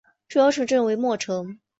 主要城镇为莫城。